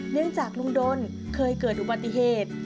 เนื่องจากลุงดนเคยเกิดอุบัติเหตุ